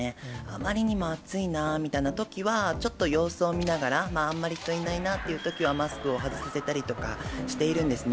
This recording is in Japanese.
あまりにも暑いなみたいなときは、ちょっと様子を見ながら、あんまり人、いないなってときはマスクを外させたりとかしているんです